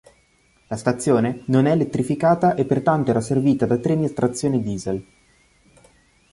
La stazione non è elettrificata e pertanto era servita da treni a trazione diesel.